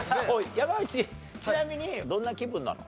山内ちなみにどんな気分なの？